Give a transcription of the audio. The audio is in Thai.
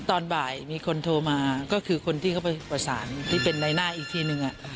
ตอนบ่ายมีคนโทรมาก็คือคนที่เขาไปประสานที่เป็นในหน้าอีกทีนึง